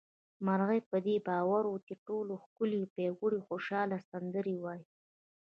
مرغۍ په دې باور وه چې تر ټولو ښکلې، پياوړې او خوشحاله سندرې وايي